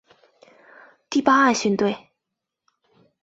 第八岸巡队